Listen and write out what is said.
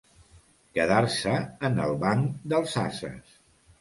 Quedar-se en el banc dels ases.